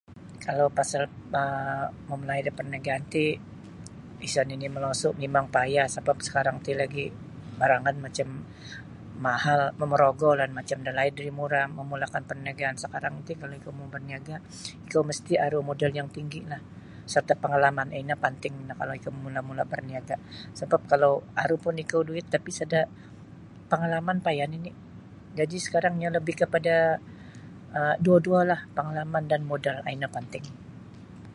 Kalau pasal ma mamulai' da parniagaan ti isa' nini' molosu' mimang payah sabap sakarang ti lagi' barangan macam mahal morogolah macam dalaid ri murah mamulakan parniagaan. Sakarang ti kalau ikou mau' barniaga' ikou misti' aru modal yang tinggi'lah sarta' pangalaman ino panting ino kalau ikou mula-mula' barniaga' sabap kalau aru pun ikou duit tapi' sada' pangalaman payah nini' jadi sakarang iyo lebih kapada um duo-duolah pangalaman dan modal um ino panting.